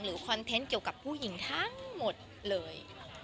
คอนเทนต์เกี่ยวกับผู้หญิงทั้งหมดเลย